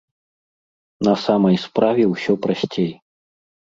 На самай справе ўсё прасцей.